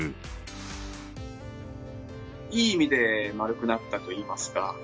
いい意味で、丸くなったといいますか。